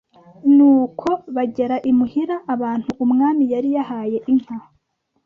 Nuko bagera imuhira abantu umwami yari yahaye inka